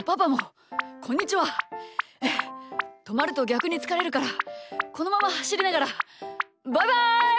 とまるとぎゃくにつかれるからこのままはしりながらバイバイ！